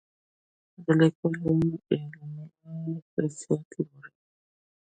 دا د لیکوال علمي حیثیت لوړوي.